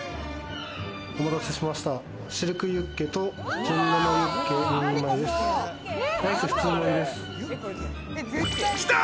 お待たせしました。